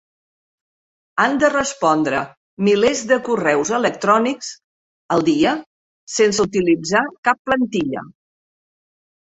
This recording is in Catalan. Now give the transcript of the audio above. Han de respondre milers de correus electrònics al dia sense utilitzar cap plantilla.